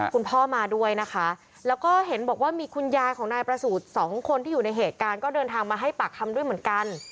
คุณพ่อมาด้วยนะคะแล้วก็เห็นบอกว่ามีคุณยายของนายประสูจน์สองคนที่อยู่ในเหตุการณ์ก็เดินทางมาให้ปากคำด้วยเหมือนกัน